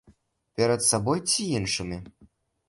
Перад сабой ці іншымі?